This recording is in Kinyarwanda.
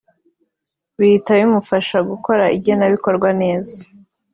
bihita bimufasha gukora igenabikorwa neza